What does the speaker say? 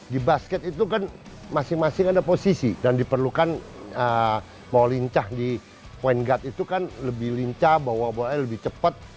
di basket itu kan masing masing ada posisi dan diperlukan mau lincah di point guard itu kan lebih lincah bawa bawanya lebih cepat